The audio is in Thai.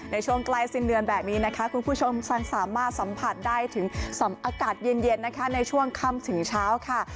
ในช่วงใกล้สิ้นเดือนแบบนี้นะคะคุณผู้ชมฉันสามารถสัมผัสได้ถึงอากาศเย็นนะคะในช่วงค่ำถึงเช้าค่ะ